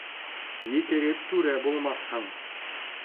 Екереп түрә булмаҫһың.